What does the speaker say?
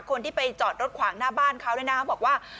คนที่ไปจอดรถขวางหน้าบ้านเขาเนี่ยนะบอกว่า